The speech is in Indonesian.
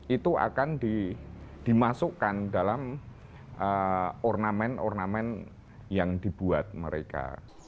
itu akan dimasukkan dalam ornament ornament yang dibuat mereka